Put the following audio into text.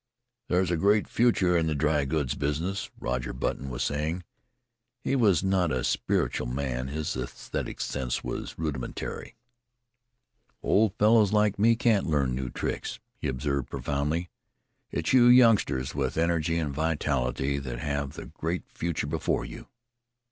"There's a great future in the dry goods business," Roger Button was saying. He was not a spiritual man his aesthetic sense was rudimentary. "Old fellows like me can't learn new tricks," he observed profoundly. "It's you youngsters with energy and vitality that have the great future before you."